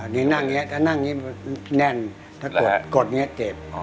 นี่นั่งนี้แน่นถ้ากดนี้เจ็บ